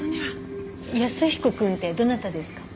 安彦くんってどなたですか？